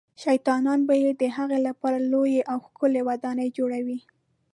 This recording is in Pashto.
شیطانان به یې د هغه لپاره لویې او ښکلې ودانۍ جوړولې.